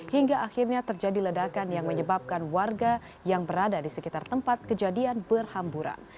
hingga akhirnya terjadi ledakan yang menyebabkan warga yang berada di sekitar tempat kejadian berhamburan